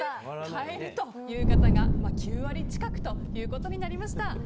帰るという方が９割近くということになりました。